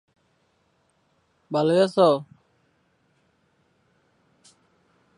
Athletics থেকে অবসর নেওয়ার পরে, তিনি আল সাদ স্পোর্টস ক্লাবের পরিচালনা পর্ষদের সদস্য নির্বাচিত হন।